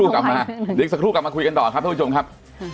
กลับมาเดี๋ยวอีกสักครู่กลับมาคุยกันต่อครับท่านผู้ชมครับ